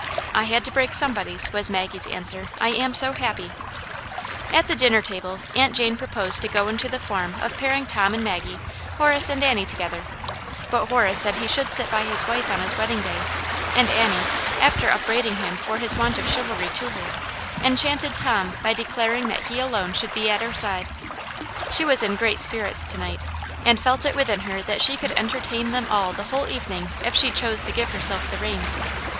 "I had to break somebody's 1" was Maggie's answer, " I am so happy." 220 Aunt Jane's Hero, At thc dinner table Aunt Jane proposed to go into the form of pairing Tom and Maggie, Horace and Annie together, but Horace said he should sit by* his wife on his wedding day, and Annie, after upbraiding him for his want of chivalry to her, en chanted Tom by declaring that he alone should be at her side. She was in great spirits to night, and felt it within her that she could entertain them all the whole evening if she chose to give herself the reins.